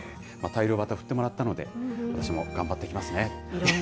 大漁旗振ってもらったので、私も頑張ってきますね。